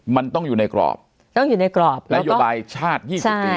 มันต้องอยู่ในกรอบและยุบายชาติ๒๐ปี